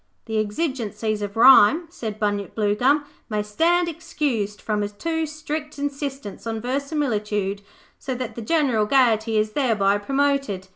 'The exigencies of rhyme,' said Bunyip Bluegum, 'may stand excused from a too strict insistence on verisimilitude, so that the general gaiety is thereby promoted.